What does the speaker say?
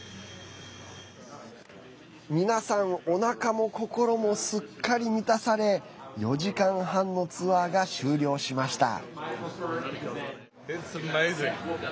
皆さん、おなかも心もすっかり満たされ４時間半のツアーが終了しました。